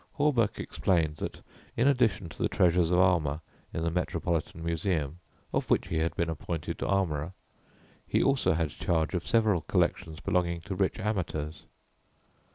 Hawberk explained, that in addition to the treasures of armour in the Metropolitan Museum of which he had been appointed armourer, he also had charge of several collections belonging to rich amateurs.